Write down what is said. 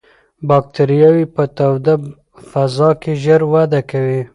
باکتریاوې په توده فضا کې ژر وده کوي.